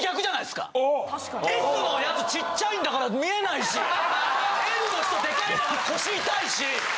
Ｓのやつちっちゃいんだから見えないしＬの人デカいから腰痛いし。